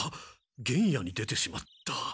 原野に出てしまった。